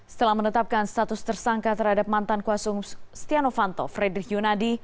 setelah menetapkan status tersangka terhadap mantan kuasum setiano fanto fredrik yunadi